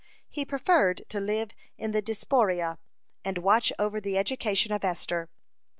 He preferred to live in the Diaspora, and watch over the education of Esther.